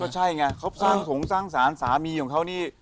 ใช่ไงเขาสร้างสงสร้างสารสามีของเขานี่